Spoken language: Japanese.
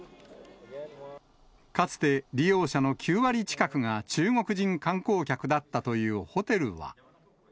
かつて利用者の９割近くが中国人観光客だったというホテルは。